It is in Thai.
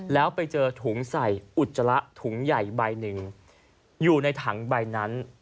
แล้วไปเจอถุงใส่อุจจาระถุงใหญ่ใบหนึ่งอยู่ในถังใบนั้น